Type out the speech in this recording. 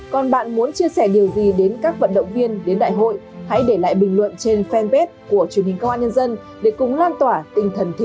còn bạn muốn chia sẻ điều gì đến các vận động viên đến đại hội hãy để lại bình luận trên fanpage của truyền hình công an nhân dân để cùng lan tỏa tinh thần thể thao tinh thần hiếu khách của người dân việt nam